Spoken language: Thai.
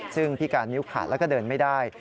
ซึ่งพิการนิ้วขาดแล้วก็เดินไม่ได้